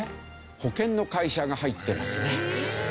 保険の会社が入ってますね。